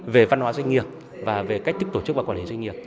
về văn hóa doanh nghiệp và về cách thức tổ chức và quản lý doanh nghiệp